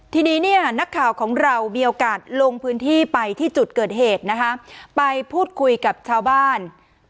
ทีนี้เนี่ยนักข่าวของเรามีโอกาสลงพื้นที่ไปที่จุดเกิดเหตุนะคะไปพูดคุยกับชาวบ้าน